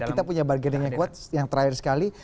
kita punya bargaining yang kuat yang terakhir sekali